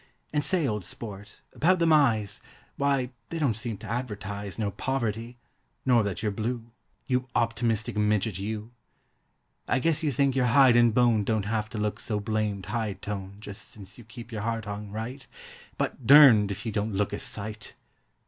And, say, old sport, about them eyes: Wye, they don't seem to advertise No poverty, nor that you're blue, You optimistic midget you! I guess you think your hide and bone Don't have to look so blamed high tone Just since you keep your heart hung right,— But durned if you don't look a sight.